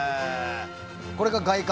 これが外観？